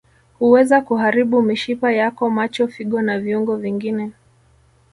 Huweza kuharibu mishipa yako macho figo na viungo vingine